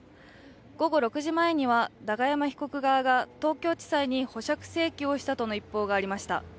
午後６時前には永山被告側が東京地裁に保釈請求をしたとの一報がありました。